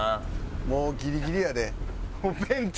もうギリギリやで。